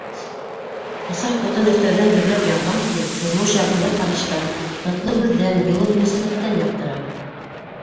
Усаҡ утын өҫтәүҙән дөрләп янған кеүек, тормош яғымлы ҡараштан, татлы һүҙҙән, йылы мөнәсәбәттән яҡтыра.